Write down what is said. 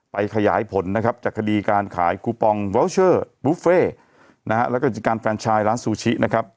ไปขยายผลจากคดีการขายกูปองเวิลเชอร์บูฟเฟ่และการแฟนไชน์ล้านซูชิ